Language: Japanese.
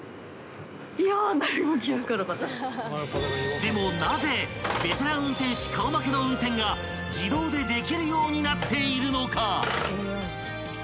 ［でもなぜベテラン運転手顔負けの運転が自動でできるようになっているのか？］